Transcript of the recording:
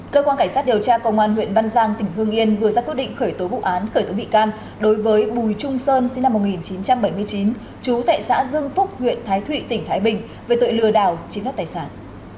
cơ quan cảnh sát điều tra công an huyện văn giang tỉnh hương yên vừa ra quyết định khởi tố vụ án khởi tố bị can đối với bùi trung sơn sinh năm một nghìn chín trăm bảy mươi chín chú tại xã dương phúc huyện thái thụy tỉnh thái bình về tội lừa đảo chiếm đất tài sản